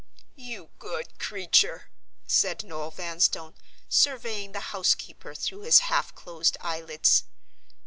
"You good creature!" said Noel Vanstone, surveying the housekeeper through his half closed eyelids.